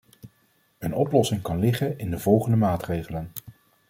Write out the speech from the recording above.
Een oplossing kan liggen in de volgende maatregelen.